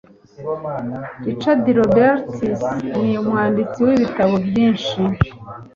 Richard Roberts ni umwanditsi wibitabo byinshi.